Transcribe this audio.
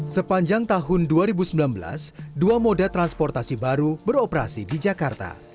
sepanjang tahun dua ribu sembilan belas dua moda transportasi baru beroperasi di jakarta